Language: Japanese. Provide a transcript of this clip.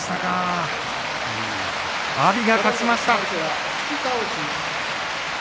阿炎が勝ちました。